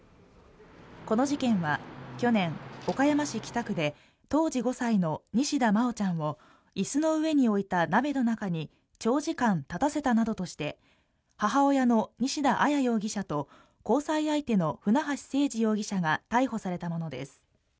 この事件は去年岡山市北区で当時５歳の西田真愛ちゃんを椅子の上に置いた鍋の中に長時間立たせたなどとして母親の西田彩容疑者と交際相手の船橋誠二容疑者が逮捕されたものです